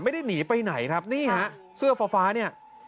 ไม่ได้หนีไปไหนครับนี่ฮะเสื้อฟ้าฟ้าเนี่ย